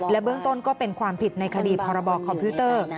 เบื้องต้นก็เป็นความผิดในคดีพรบคอมพิวเตอร์